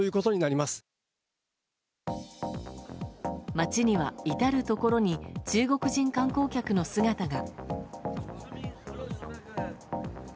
街には至るところに中国人観光客の姿が。